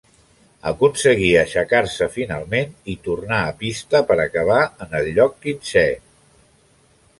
Aconseguí aixecar-se finalment i tornar a pista per acabar en el lloc quinzè.